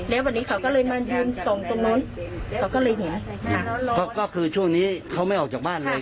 แล้ววันนี้เขาก็เลยมายืนส่องตรงนู้นเขาก็เลยเห็นค่ะก็คือช่วงนี้เขาไม่ออกจากบ้านเลย